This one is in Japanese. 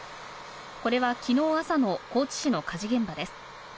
これは昨日、朝の高知市の火事現場です。